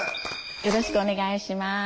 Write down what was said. よろしくお願いします。